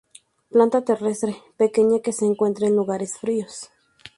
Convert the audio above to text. Planta terrestre pequeña que se encuentra en lugares fríos.